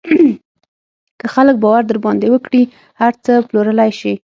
که خلک باور در باندې وکړي، هر څه پلورلی شې.